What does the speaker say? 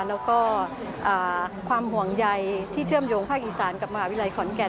แล้วก็ความห่วงใยที่เชื่อมโยงภาคอีสานกับมหาวิทยาลัยขอนแก่น